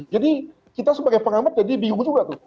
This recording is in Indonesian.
jadi kita sebagai pengamat jadi bingung juga tuh